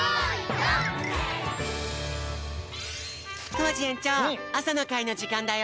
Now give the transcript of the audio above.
コージえんちょうあさのかいのじかんだよ！